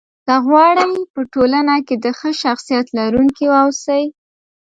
که غواړئ! په ټولنه کې د ښه شخصيت لرونکي واوسی